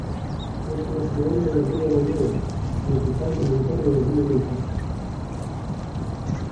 Es un afluente del río Benue, principal tributario del río Níger.